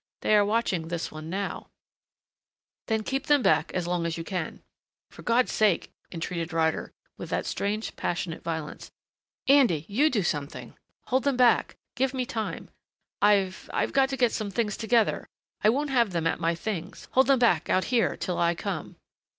They are watching this one now " "Then keep them back long as you can. For God's sake," entreated Ryder with that strange passionate violence. "Andy you do something hold them back. Give me time. I I've got to get some things together I won't have them at my things hold them back out here till I come."